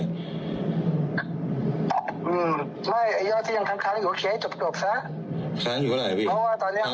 ไม่ไอ้ย่อที่ยังค้างอยู่เคลียร์ให้จบซะ